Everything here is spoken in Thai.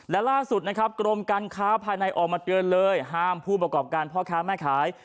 และล่าสุดนะครับกรมการค้าภายในออกมาเตือนเลยห้ามผู้ประกอบการพ่อค้าแม่ขาย